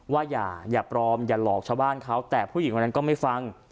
อย่าปลอมอย่าหลอกชาวบ้านเขาแต่ผู้หญิงวันนั้นก็ไม่ฟัง